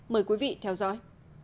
mời quý vị theo dõi